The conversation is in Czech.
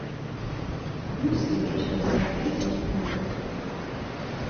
V Blues Image ho nahradil Kent Henry.